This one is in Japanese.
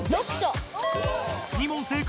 ２問正解！